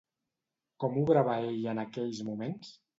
Com obrava ell en aquells moments?